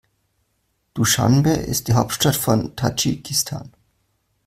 Duschanbe ist die Hauptstadt von Tadschikistan.